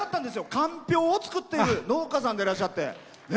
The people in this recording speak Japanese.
かんぴょうを作っている農家さんでいらっしゃって。